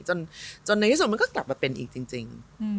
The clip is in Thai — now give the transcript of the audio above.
จนในที่สุดมันก็กลับมาเป็นอีกจริง